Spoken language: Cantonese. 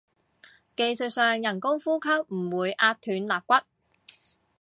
技術上人工呼吸唔會壓斷肋骨